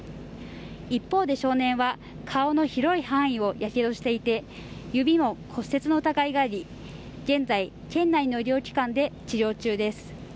一方で少年は顔の広い範囲をやけどしていて指の骨折の疑いがあり現在県内の医療機関で治療中です